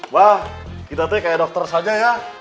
mbah kita teh kayak dokter saja ya